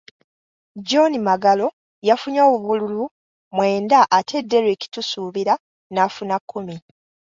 John Magalo yafunye obululu mwenda ate Derrick Tusubira n’afuna kkumi.